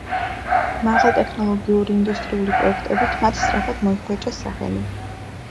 მაღალტექნოლოგიური ინდუსტრიული პროექტებით მათ სწრაფად მოიხვეჭეს სახელი.